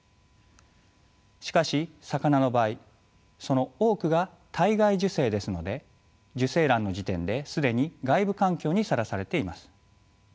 しかし魚の場合その多くが体外受精ですので受精卵の時点で既に外部環境にさらされています。